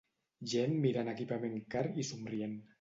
gent mirant equipament car i somrient